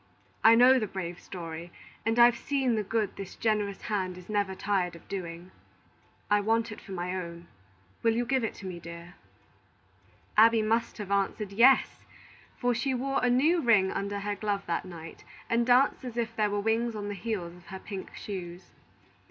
I know the brave story, and I've seen the good this generous hand is never tired of doing. I want it for my own. Will you give it to me, dear?" Abby must have answered, "Yes;" for she wore a new ring under her glove that night, and danced as if there were wings on the heels of her pink shoes.